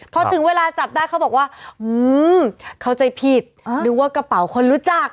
พอถึงเวลาจับได้เขาบอกว่าเข้าใจผิดนึกว่ากระเป๋าคนรู้จัก